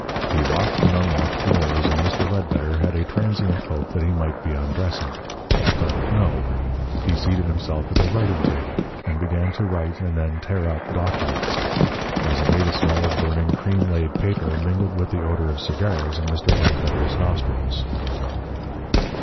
He locked and unlocked drawers, and Mr. Ledbetter had a transient hope that he might be undressing. But, no! He seated himself at the writing table, and began to write and then tear up documents. Presently the smell of burning cream laid paper mingled with the odour of cigars in Mr. Ledbetter's nostrils.